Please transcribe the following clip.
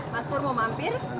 mas pur mau mampir